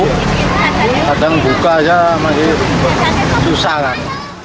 kadang buka aja masih susah kan